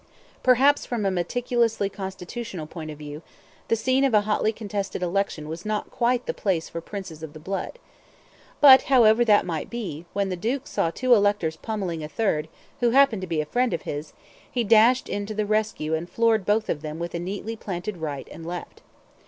Perhaps, from a meticulously constitutional point of view, the scene of a hotly contested election was not quite the place for Princes of the Blood. But, however that might be, when the duke saw two electors pommelling a third, who happened to be a friend of his, he dashed in to the rescue and floored both of them with a neatly planted right and left.